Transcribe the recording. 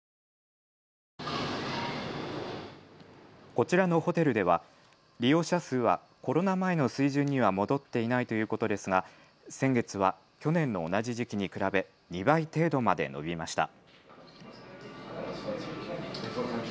こちらのホテルでは利用者数はコロナ前の水準には戻っていないということですが先月は去年の同じ時期に比べ２倍程度まで伸びました。